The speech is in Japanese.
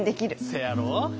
せやろ？